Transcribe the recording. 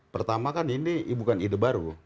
pertama kan ini bukan ide baru